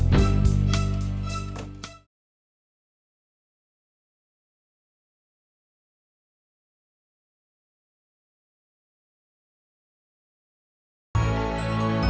mereka pasti udah janji